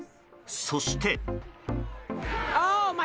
そして。